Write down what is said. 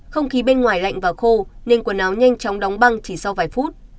không khí bên ngoài lạnh và khô nên quần áo nhanh chóng đóng băng chỉ sau vài phút